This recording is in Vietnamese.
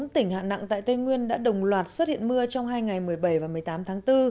một mươi tỉnh hạn nặng tại tây nguyên đã đồng loạt xuất hiện mưa trong hai ngày một mươi bảy và một mươi tám tháng bốn